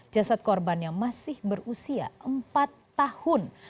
jasad korbannya masih berusia empat tahun